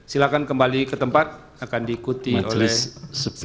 silakan kembali ke tempat akan diikuti oleh